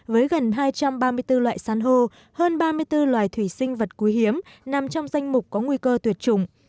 với gần hai trăm ba mươi bốn loại săn hô hơn ba mươi bốn loài thủy sinh vật quý hiếm nằm trong danh mục có nguy cơ tuyệt chủng